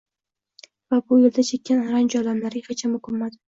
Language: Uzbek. va bu yo‘lda chekkan ranju alamlariga hecham o‘kinmadi.